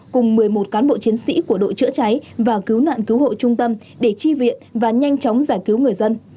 cùng một mươi một cán bộ chiến sĩ của đội chữa cháy và cứu nạn cứu hộ trung tâm để chi viện và nhanh chóng giải cứu người dân